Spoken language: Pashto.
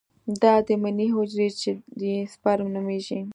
دا د مني حجرې چې دي سپرم نومېږي.